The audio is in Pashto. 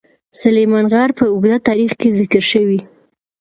سلیمان غر په اوږده تاریخ کې ذکر شوی.